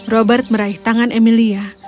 robert meraih tangan emilia